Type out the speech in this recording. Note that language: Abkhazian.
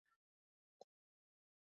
Ардушьна слеиԥшха, сзаҵәха адәы сықәзаап.